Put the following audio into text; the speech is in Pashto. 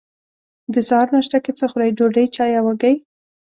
د سهار ناشته کی څه خورئ؟ ډوډۍ، چای او هګۍ